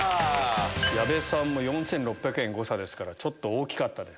矢部さんも４６００円誤差ですからちょっと大きかったです。